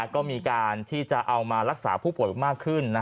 ก็มีการที่จะเอามารักษาผู้ป่วยมากขึ้น